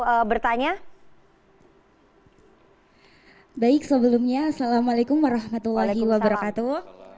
duluan yang mau bertanya hai baik sebelumnya assalamualaikum warahmatullahi wabarakatuh